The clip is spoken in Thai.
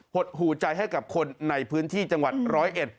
หดหูใจให้กับคนในพื้นที่จังหวัดร้อยเอ็ด